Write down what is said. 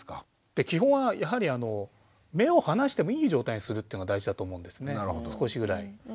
基本はやはり目を離してもいい状態にするというのが大事だと思うんですね少しぐらい。